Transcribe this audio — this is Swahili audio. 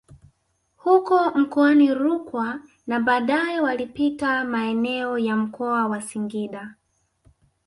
Huko mkoani Rukwa na baadae walipita maeneo ya mkoa wa Singida